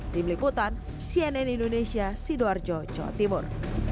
tim liputan cnn indonesia sidoarjo jawa timur